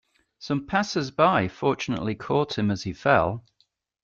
Some passersby fortunately caught him as he fell.